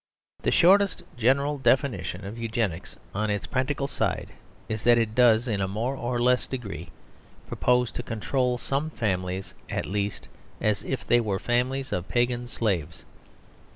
The shortest general definition of Eugenics on its practical side is that it does, in a more or less degree, propose to control some families at least as if they were families of pagan slaves.